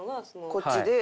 こっちで。